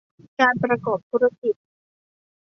การประกอบธุรกิจ